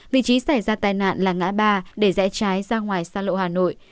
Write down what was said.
vị trí xảy ra tài nạn là ngã ba để dãy trái ra ngoài xa lộ hà nội